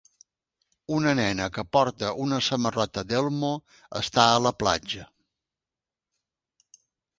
Una nena que porta una samarreta d'Elmo està a la platja.